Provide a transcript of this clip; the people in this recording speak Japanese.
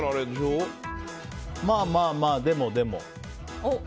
まあまあ、でもでも。